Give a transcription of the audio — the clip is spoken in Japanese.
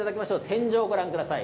天井をご覧ください。